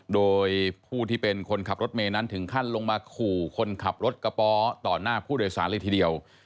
โดยผู้ที่เป็นคนขับรถเมย์นั้นถึงขั้นลงมาขู่คนขับรถกระป๋อต่อหน้าผู้โดยสารเลยทีเดียว